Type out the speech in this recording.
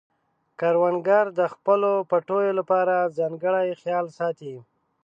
کروندګر د خپلو پټیو لپاره ځانګړی خیال ساتي